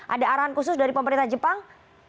ada arahan khusus dari pemerintah jepang